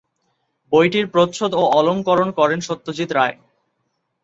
বইটির প্রচ্ছদ ও অলংকরণ করেন সত্যজিৎ রায়।